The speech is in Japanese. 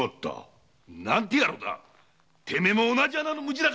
てめえも同じ穴のムジナかい！